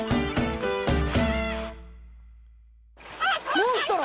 モンストロ